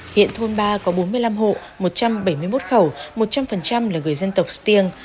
hiện thôn ba có bốn mươi năm hộ một trăm bảy mươi một khẩu một trăm linh là người dân tộc stiêng